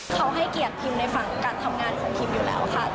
เขาให้เกียรติพิมในฝั่งการทำงานของพิมอยู่แล้วค่ะ